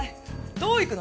どう行くの？